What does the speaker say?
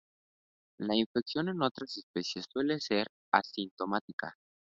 La infección en otras especies suele ser asintomática.